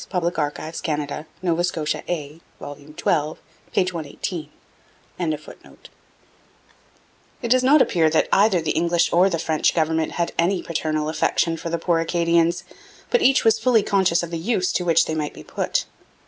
Public Archives, Canada. Nova Scotia A, vol. xii, p. 118.] It does not appear that either the English or the French government had any paternal affection for the poor Acadians; but each was fully conscious of the use to which they might be put.